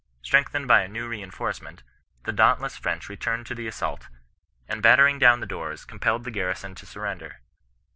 Strengthened by a new rein forcement, the dauntless French returned to the assauli^ and battering down the doors, compelled the garrison to surrender.